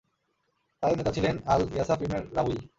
তাদের নেতা ছিলেন আল ইয়াসাফ ইবন রাউঈল।